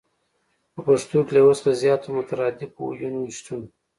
په پښتو کې له يو څخه زياتو مترادفو ويونو شتون